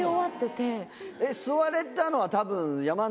吸われたのは多分。